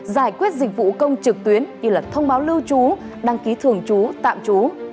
giải quyết dịch vụ công trực tuyến như thông báo lưu trú đăng ký thường trú tạm trú